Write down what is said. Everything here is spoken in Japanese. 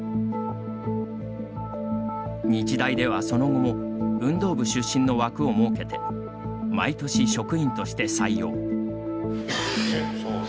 日大では、その後も運動部出身の枠を設けて毎年、職員として採用。